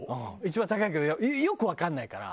一番高いけどよくわかんないから。